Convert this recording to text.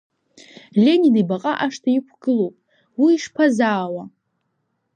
Ленин ибаҟа ашҭа иқәгылоуп, уи ишԥазаауа?